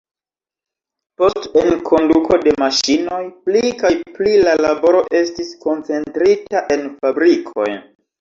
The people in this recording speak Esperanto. Post enkonduko de maŝinoj pli kaj pli la laboro estis koncentrita en fabrikoj.